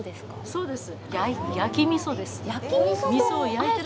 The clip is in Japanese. そうです。